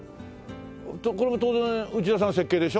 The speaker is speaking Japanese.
これも当然内田さん設計でしょ？